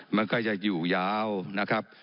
มันก็จะอยู่ยาวนะครับ